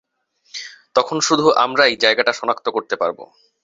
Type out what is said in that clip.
তখন শুধু আমরাই জায়গাটা শনাক্ত করতে পারবো।